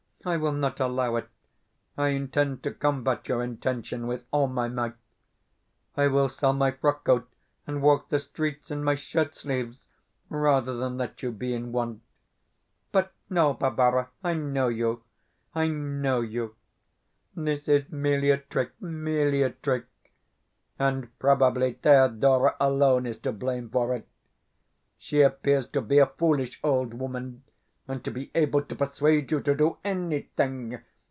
I will not allow it I intend to combat your intention with all my might. I will sell my frockcoat, and walk the streets in my shirt sleeves, rather than let you be in want. But no, Barbara. I know you, I know you. This is merely a trick, merely a trick. And probably Thedora alone is to blame for it. She appears to be a foolish old woman, and to be able to persuade you to do anything.